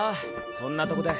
そんなとこで。